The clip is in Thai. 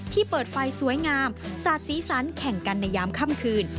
เปิดไฟสวยงามสาดสีสันแข่งกันในยามค่ำคืน